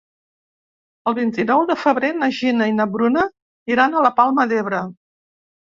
El vint-i-nou de febrer na Gina i na Bruna iran a la Palma d'Ebre.